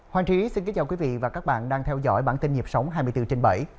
hoàng trí xin kính chào quý vị và các bạn đang theo dõi bản tin nhịp sống hai mươi bốn trên bảy